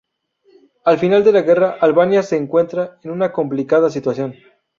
Al finalizar la guerra, Albania se encuentra en una complicada situación.